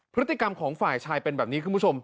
พฤติกรรมของฝ่ายชายเป็นแบบนี้คุณผู้ชม